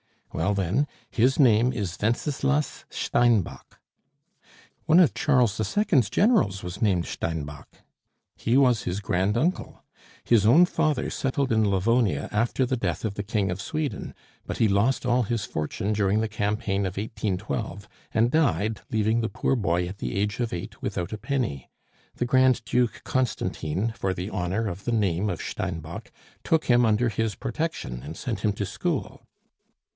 "Well, then, his name is Wenceslas Steinbock." "One of Charles XII.'s Generals was named Steinbock." "He was his grand uncle. His own father settled in Livonia after the death of the King of Sweden; but he lost all his fortune during the campaign of 1812, and died, leaving the poor boy at the age of eight without a penny. The Grand Duke Constantine, for the honor of the name of Steinbock, took him under his protection and sent him to school."